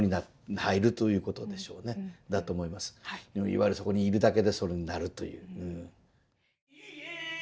いわゆるそこにいるだけでそれになるという。